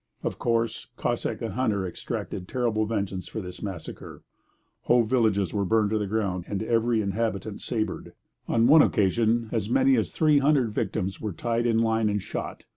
Of course, Cossack and hunter exacted terrible vengeance for this massacre. Whole villages were burned to the ground and every inhabitant sabred. On one occasion, as many as three hundred victims were tied in line and shot.